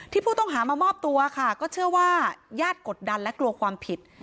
ผู้ต้องหามามอบตัวค่ะก็เชื่อว่าญาติกดดันและกลัวความผิด